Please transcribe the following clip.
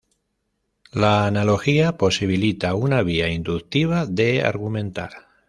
La analogía posibilita una vía inductiva de argumentar.